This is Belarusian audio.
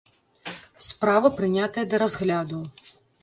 Справа прынятая да разгляду.